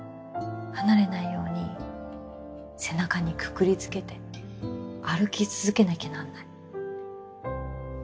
離れないように背中にくくりつけて歩き続けなきゃなんない。